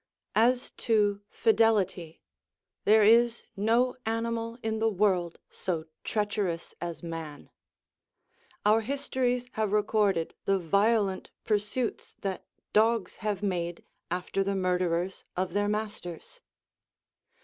As to fidelity, there is no animal in the world so treacherous as man. Our histories have recorded the violent pursuits that dogs have made after the murderers of their masters.